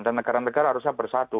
dan negara negara harusnya bersatu